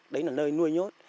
đấy là nơi nuôi nhốt